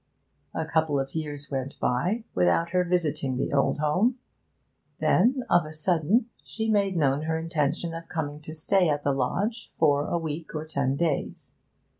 A couple of years went by without her visiting the old home; then, of a sudden, she made known her intention of coming to stay at the lodge 'for a week or ten days.'